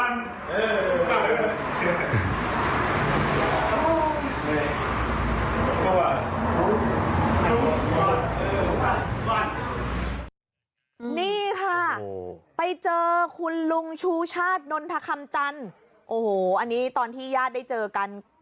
นี่ค่ะไปเจอคุณลุงชูชาตินนทคำจันทร์โอ้โหอันนี้ตอนที่ญาติได้เจอกัน